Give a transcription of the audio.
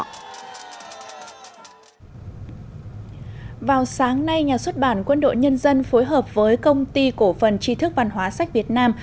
vào sáng nay nhà xuất bản quân đội nhân dân phối hợp với công ty cổ phần tri thức văn hóa sách việt nam